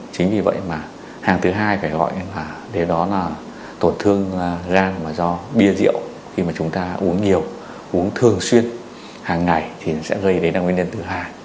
chính vì vậy mà hàng thứ hai phải gọi là đó là tổn thương gan mà do bia rượu khi mà chúng ta uống nhiều uống thường xuyên hàng ngày thì sẽ gây đến nguyên nhân thứ hai